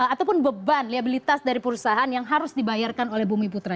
ataupun beban liabilitas dari perusahaan yang harus dibayarkan oleh bumi putra